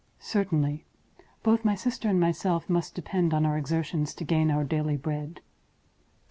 "Certainly. Both my sister and myself must depend on our own exertions to gain our daily bread."